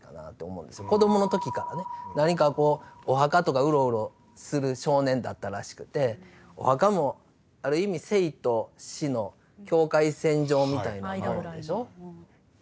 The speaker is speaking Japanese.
子どもの時からね何かこうお墓とかうろうろする少年だったらしくてお墓もある意味生と死の境界線上みたいなもんでしょ。